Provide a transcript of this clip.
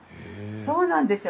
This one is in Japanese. そうなんですよ。